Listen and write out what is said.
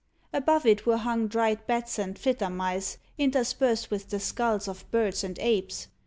Above it were hung dried bats and flitter mice, interspersed with the skulls of birds and apes.